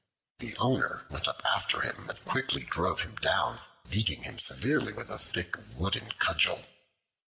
The owner went up after him and quickly drove him down, beating him severely with a thick wooden cudgel.